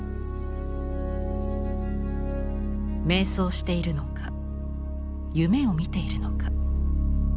瞑想しているのか夢を見ているのか。